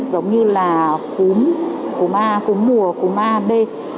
giống như là cúm a cúm mùa cúm a b